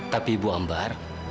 tapi bu ambar